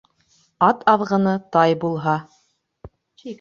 Ат аҙғыны тай булһа.